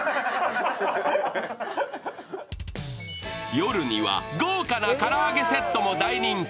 夜には豪華な唐揚げセットも大人気。